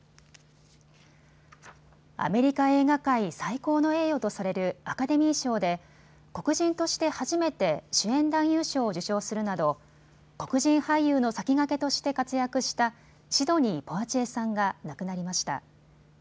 アメリカ映画界最高の栄誉とされるアカデミー賞で黒人として初めて主演男優賞を受賞するなど黒人俳優の先駆けとして活躍したシドニー・ポワチエさんが亡くなりました。